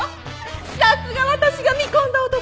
さすが私が見込んだ男！